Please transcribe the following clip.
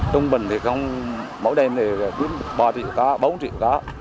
trung bình thì không mỗi đêm thì ba triệu có bốn triệu có